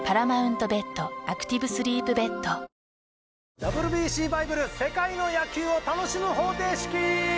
『ＷＢＣバイブル世界の野球を楽しむ方程式』！